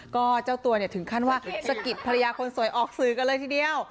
ก็เจ้าตัวเนี่ยถึงขั้นว่าสะกิดภรรยาคนสวยออกสื่อกันเลยทีเดียว